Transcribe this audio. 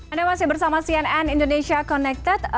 anda masih bersama cnn indonesia connected